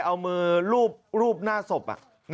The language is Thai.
เอามือรูปหน้าศพ